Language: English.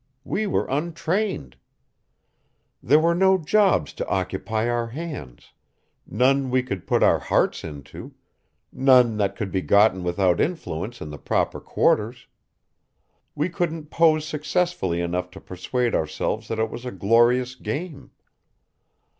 We were untrained. There were no jobs to occupy our hands none we could put our hearts into none that could be gotten without influence in the proper quarters. We couldn't pose successfully enough to persuade ourselves that it was a glorious game.